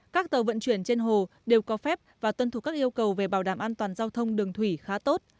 các tàu vận chuyển trên hồ đều có phép và tuân thủ các yêu cầu về bảo đảm an toàn giao thông đường thủy khá tốt